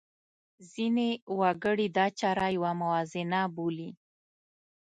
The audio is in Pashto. ځینې وګړي دا چاره یوه موازنه بولي.